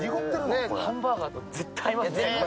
ハンバーガーと絶対に合いますよ。